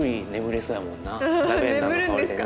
ラベンダーの香りでね。